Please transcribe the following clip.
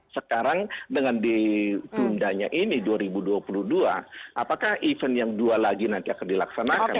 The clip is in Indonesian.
sekarang dengan ditundanya ini dua ribu dua puluh dua apakah event yang dua lagi nanti akan dilaksanakan